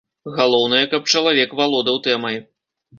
Галоўнае, каб чалавек валодаў тэмай.